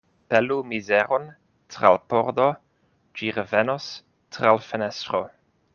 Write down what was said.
Pelu mizeron tra l' pordo, ĝi revenos tra l' fenestro.